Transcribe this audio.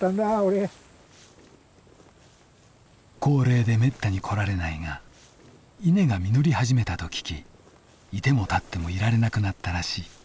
高齢でめったに来られないが稲が実り始めたと聞きいてもたってもいられなくなったらしい。